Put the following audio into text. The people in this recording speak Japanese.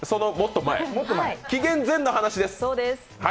紀元前の話です。